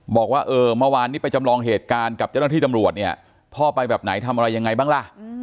บอกว่าเออเมื่อวานนี้ไปจำลองเหตุการณ์กับเจ้าหน้าที่ตำรวจเนี่ยพ่อไปแบบไหนทำอะไรยังไงบ้างล่ะ